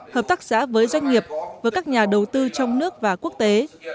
hợp tác xã với doanh nghiệp với các nhà đầu tư trong nước và quốc tế